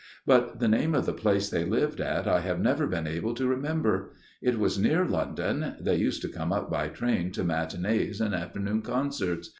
But the name of the place they lived at I have never been able to remember. It was near London they used to come up by train to matinées and afternoon concerts.